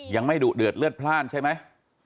ยังไม่ดุเดือดเลือดพลาดใช่ไหม